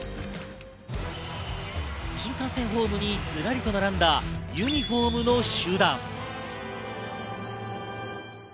新幹線ホームにずらりと並んだユニホームの集団。